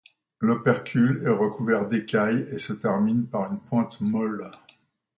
L'opercule est recouvert d'écailles et se termine par une pointe molle.